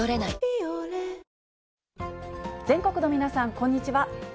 「ビオレ」全国の皆さん、こんにちは。